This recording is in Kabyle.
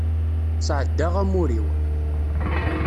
Sεeddaɣ amur-iw.